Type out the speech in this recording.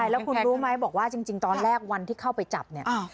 แล้วคุณรู้ไหมบอกว่าจริงตอนแรกวันที่เข้าไปจับเนี่ย